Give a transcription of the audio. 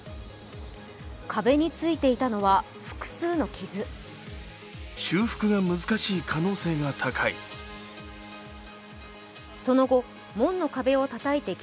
壁についていたのは複数の傷。